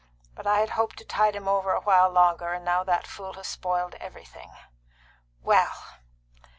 But I had hoped to tide him over a while longer, and now that fool has spoiled everything. Well!"